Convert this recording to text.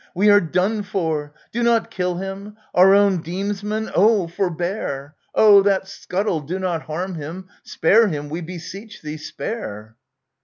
We are done for ! Do not kill him ! Our own demesman ! Oh, forbear ! Oh, that scuttle I Do not harm him ! Spare him, we beseech thee, spare